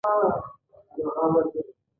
کارګر بیا هم څلور ساعته د ځان لپاره کار کوي